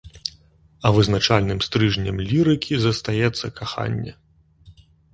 А вызначальным стрыжнем лірыкі застаецца каханне.